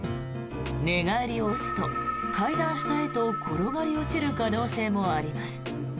寝返りを打つと階段下へと転がり落ちる可能性もあります。